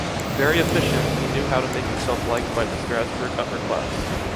Very efficient, he knew how to make himself liked by the Strasbourg upper class.